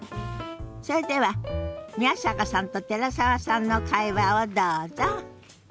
それでは宮坂さんと寺澤さんの会話をどうぞ。